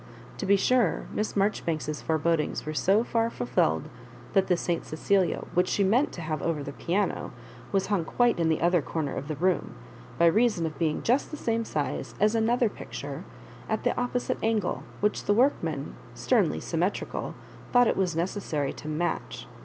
To be sure, Miss Marjoribanks's forebodings were so far fulfilled that the St Cecilia, which she meant to have over the piano, was hung quite in the other comer of the room, by reason of being just the same size as another picture at the opposite angle, which the workmen, sternly symmetrical, thought it necessary to " match."